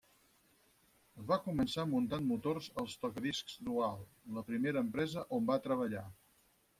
Va començar muntant motors als tocadiscs Dual, la primera empresa on va treballar.